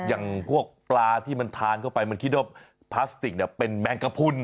อย่างพวกปลาที่มันทานเข้าไปมันคิดว่าพลาสติกเป็นแมงกระพุน